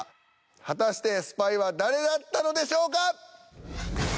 果たしてスパイは誰だったのでしょうか？